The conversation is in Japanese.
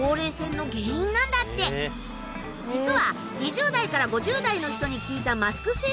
実は２０代から５０代の人に聞いた。